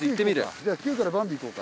じゃあ旧からバンビ行こうか。